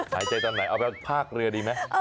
หายใจตอนไหนเอาไปพากเรือดีไหม